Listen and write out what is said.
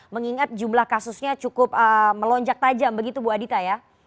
mengingat jumlah kasusnya cukup melonjak tajam begitu bu adita ya